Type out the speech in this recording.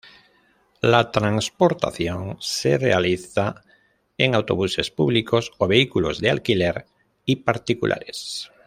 La transportación se realiza en autobuses públicos o vehículos de alquiler y particulares.